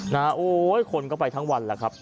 โอ้ยคนก็ไปทั้งวันแหละครับ